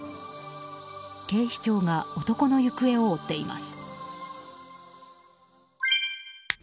警視庁が男の行方を追っています。